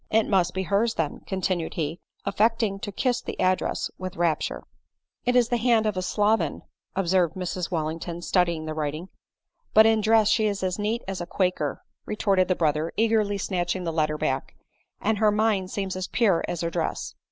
" It must be hers then," continued he, affecting to kiss the address with rapture. " It is the hand of a sloven," observed Mrs Welling ton, studying the writing. " But in dress she is as neat as a quaker," retorted the brother, eagerly snatching the letter back, "and her mind seems as pure as her dress."